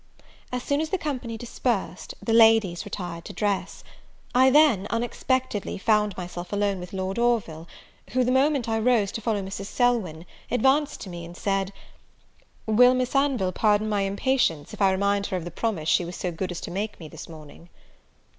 As soon as the company dispersed, the ladies retired to dress. I then, unexpectedly, found myself alone with Lord Orville; who, the moment I rose to follow Mrs. Selwyn, advanced to me, and said, "Will Miss Anville pardon my impatience, if I remind her of the promise she was so good as to make me this morning?"